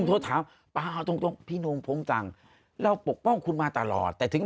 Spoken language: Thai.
เพราะเขาอยู่คนเดียว